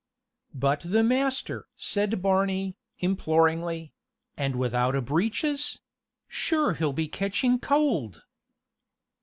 "But the master?" said Barney, imploringly; "and without a breeches? sure he'll be catching cowld